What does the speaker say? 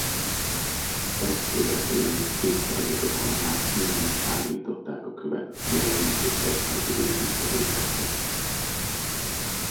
Ezt követően évszázadokon át innen szállították a követ a királyi és egyházi építkezésekhez.